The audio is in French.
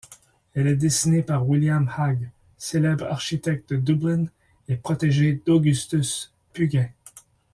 Elle est dessinée par William Hague, célèbre architecte de Dublin et protégé d’Augustus Pugin.